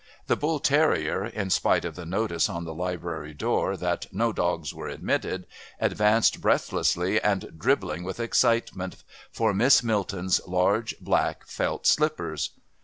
The bull terrier, in spite of the notice on the Library door that no dogs were admitted, advanced breathlessly and dribbling with excitement for Miss Milton's large black felt slippers.